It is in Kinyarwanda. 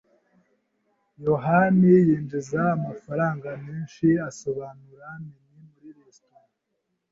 yohani yinjiza amafaranga menshi asobanura menus muri resitora.